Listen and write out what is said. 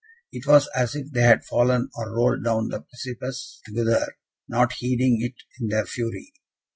It was as if they had fallen or rolled down the precipice together, not heeding it in their fury.